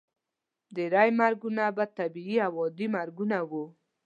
ډیری مرګونه به طبیعي او عادي مرګونه وو.